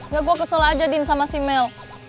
ya gue kesel aja din sama si mel